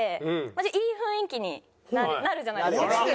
いい雰囲気になるじゃないですか。